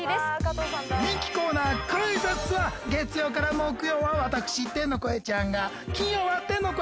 人気コーナー「クイズッス」は月曜から木曜は私天の声ちゃんが金曜は天の声